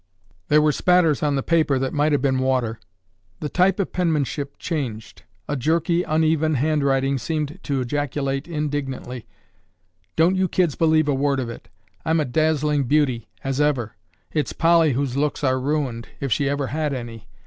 There were spatters on the paper that might have been water. The type of penmanship changed. A jerky, uneven handwriting seemed to ejaculate indignantly, "Don't you kids believe a word of it. I'm a dazzling beauty—as ever! It's Polly whose looks are ruined—if she ever had any.